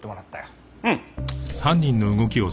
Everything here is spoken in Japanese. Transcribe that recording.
うん。